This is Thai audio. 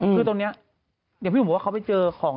คือตรงนี้เดี๋ยวพี่หนุ่มบอกว่าเขาไปเจอของ